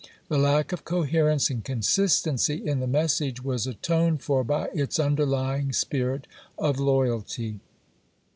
The lack of coherence and pp."i59 m. consistency in the message was atoned for by its underlying spirit of loyalty.